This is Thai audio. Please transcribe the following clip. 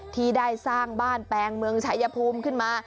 ที่ได้สร้างบ้านแปลงเมืองชายภูมิขึ้นมา